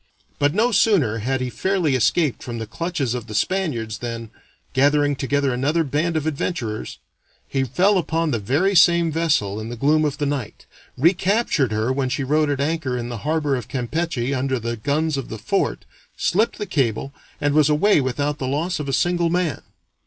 But no sooner had he fairly escaped from the clutches of the Spaniards than, gathering together another band of adventurers, he fell upon the very same vessel in the gloom of the night, recaptured her when she rode at anchor in the harbor of Campeche under the guns of the fort, slipped the cable, and was away without the loss of a single man.